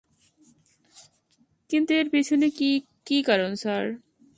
কিন্তু এর পিছনে কী কারণ স্যার?